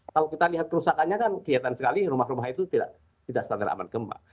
kalau kita lihat kerusakannya kan kelihatan sekali rumah rumah itu tidak standar aman gempa